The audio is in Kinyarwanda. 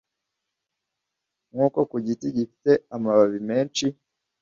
Nk’uko ku giti gifite amababi menshi,